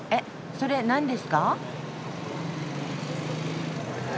それ何ですか？